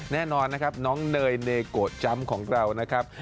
แน่นอนนะครับน้องเนยเนโกะจำของเรานะครับ